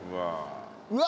うわ。